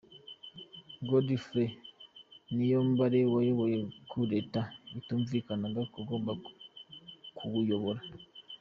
Godefroid Niyombare, wayoboye coup d’etat batumvikanaga k’ugomba kuwuyobora.